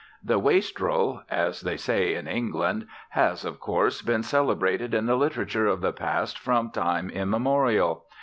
The wastrel (as they say in England) has, of course, been celebrated in the literature of the past from time immemorial.